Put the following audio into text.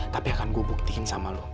tapi akan gue buktiin sama lo